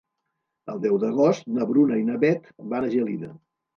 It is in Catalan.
El deu d'agost na Bruna i na Beth van a Gelida.